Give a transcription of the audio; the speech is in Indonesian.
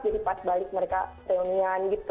pas balik mereka reunian gitu